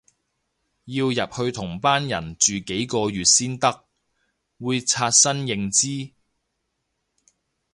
要入去同班人住幾個月先得，會刷新認知